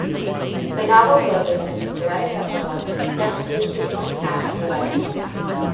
The novel closes with a poetic epilogue that reflects Prus' own path through life.